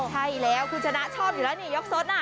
ใช่แล้วคุณชนะชอบอยู่แล้วนี่ยกสดน่ะ